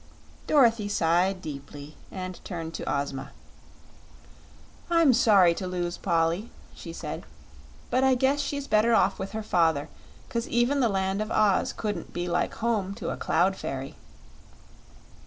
Dorothy sighed deeply and turned to Ozma. "I'm sorry to lose Polly," she said; "but I guess she's better off with her father; 'cause even the Land of Oz couldn't be like home to a cloud fairy."